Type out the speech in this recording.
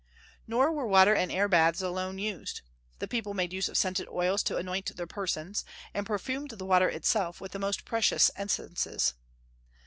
Nor were water and air baths alone used; the people made use of scented oils to anoint their persons, and perfumed the water itself with the most precious essences.